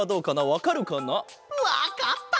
わかった！